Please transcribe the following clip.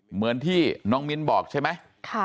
เหมือนที่น้องมิ้นบอกใช่ไหม